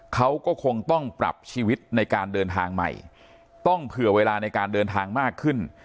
เขาก็คงต้องปรับชีวิตในการเดินทางใหม่ต้องเผื่อเวลาในการเดินทางมากขึ้น